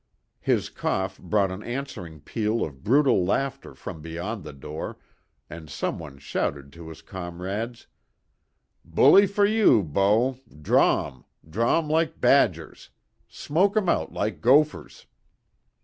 His cough brought an answering peal of brutal laughter from beyond the door, and some one shouted to his comrades "Bully fer you, bo'! Draw 'em! Draw 'em like badgers. Smoke 'em out like gophers."